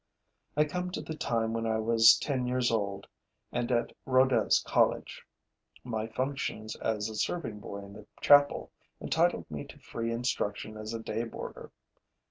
I come to the time when I was ten years old and at Rodez College. My functions as a serving boy in the chapel entitled me to free instruction as a day boarder.